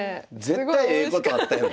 絶対ええことあったやん